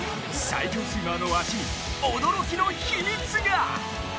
最強スイマーの足に驚きの秘密が。